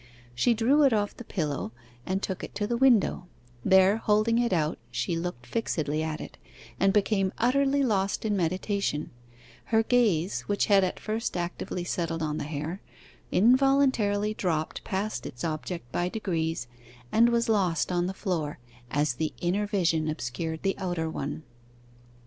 She drew it off the pillow, and took it to the window; there holding it out she looked fixedly at it, and became utterly lost in meditation: her gaze, which had at first actively settled on the hair, involuntarily dropped past its object by degrees and was lost on the floor, as the inner vision obscured the outer one.